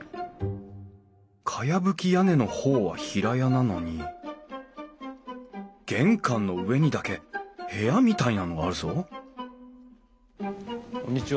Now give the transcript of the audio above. かやぶき屋根の方は平屋なのに玄関の上にだけ部屋みたいなのがあるぞこんにちは。